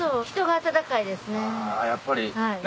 あやっぱり。